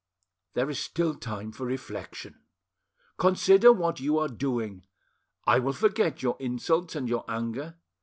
"There is still time for reflection; consider what you are doing; I will forget your insults and your anger.